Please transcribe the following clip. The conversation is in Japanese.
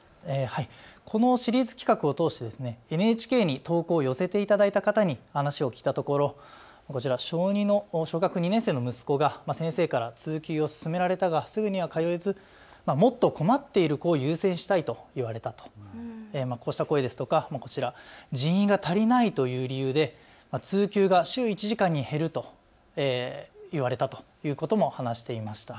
このシリーズ企画を通してＮＨＫに投稿を寄せていただいた方に話を聞いたところこちら、小学２年生の息子が先生から通級を勧められたがすぐには通えずもっと困っている子を優先したいと言われたと、こうした声ですとか人員が足りないという理由で通級が週１時間に減ると言われたということも話していました。